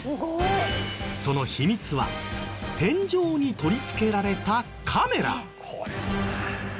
その秘密は天井に取り付けられたカメラ。